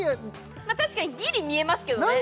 確かにギリ見えますけどね